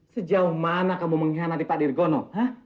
sejauh mana kamu mengkhianati pak dirgono